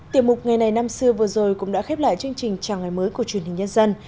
tiểu mục ngày này năm xưa vừa rồi cũng đã khép lại chương trình chào ngày mới của truyền hình nhân dân